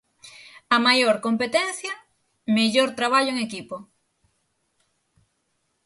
A maior competencia, mellor traballo en equipo.